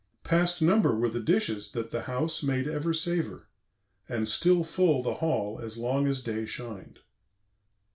Past number were the dishes that the house Made ever savor; and still full the hall As long as day shined."